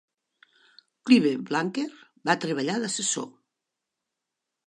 Clive Barker va treballar d'assessor.